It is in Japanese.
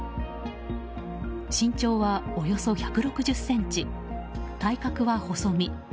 身長はおよそ１６０ｃｍ体格は細身。